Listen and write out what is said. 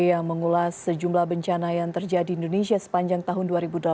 yang mengulas sejumlah bencana yang terjadi di indonesia sepanjang tahun dua ribu delapan belas